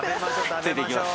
ついていきます。